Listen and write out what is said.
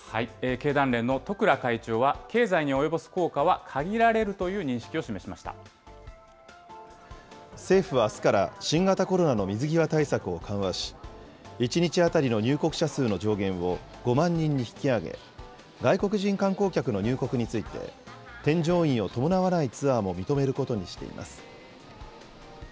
経団連の十倉会長は経済に及ぼす効果は限られるという認識を政府はあすから新型コロナの水際対策を緩和し、１日当たりの入国者数の上限を５万人に引き上げ、外国人観光客の入国について、添乗員を伴わないツアーも認めることにしています。